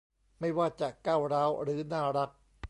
ไม่ว่าจะก้าวร้าวหรือน่ารัก